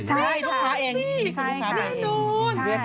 ตำรวจไปลูกค้าเอง